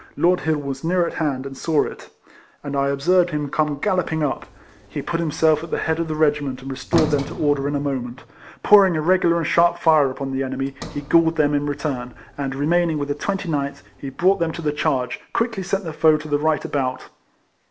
Lord Hill was near at hand, and saw it, and I observed him come galloping up. He put himself at the head of the regiment, and restored them to order in a moment. Pouring a regular and sharp fire upon the enemy, he galled them in re turn; and, remaining with the 29th till he brought them to the charge, quickly sent the foe to the right about.